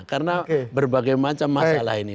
karena berbagai macam masalah ini